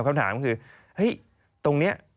คำถามคือตรงเนี่ย